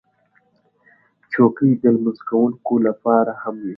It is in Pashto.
چوکۍ د لمونځ کوونکو لپاره هم وي.